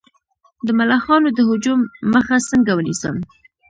د ملخانو د هجوم مخه څنګه ونیسم؟